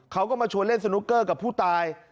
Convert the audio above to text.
เขาก็มาชวนเล่นสนุกเกอร์กับผู้ตาย